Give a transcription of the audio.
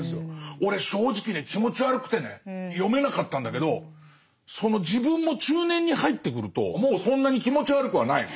俺正直ね気持ち悪くてね読めなかったんだけどその自分も中年に入ってくるともうそんなに気持ち悪くはないの。